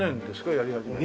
やり始めて。